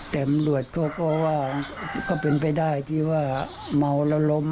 แต่ตำรวจเขาก็ว่าก็เป็นไปได้ที่ว่าเมาแล้วล้ม